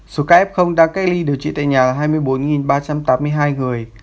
số ca f đang cây ly điều trị tại nhà là hai mươi bốn ba trăm tám mươi hai người